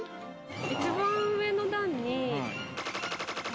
一番上の段に。